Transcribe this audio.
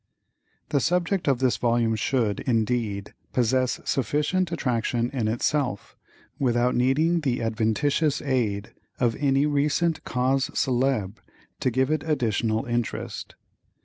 The subject of this volume should, indeed, possess sufficient attraction in itself, without needing the adventitious aid of any recent causes célèbres to give it additional interest.